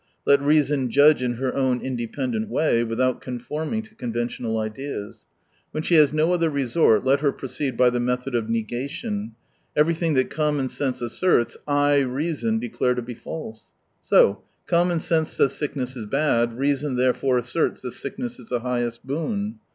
Let Reason judge in her own independent way, without conforttiing to conventional ideas. When she has no other resort, let her proceed by the method of negation : every thing that commoh sense asserts, I, Reason, declare to be false. So — common sense says sickness is bad, reason therefore asserts that sickness is the highest boon.